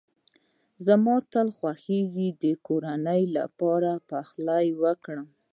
زما تل خوښېږی چي د کورنۍ لپاره پخلی وکړم.